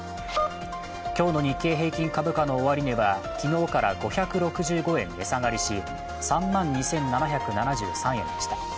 今日の日経平均株価の終値は昨日から５６５円値下がりし３万２７７３円でした。